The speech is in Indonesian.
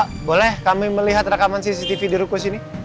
pak boleh kami melihat rekaman cctv di rukun sini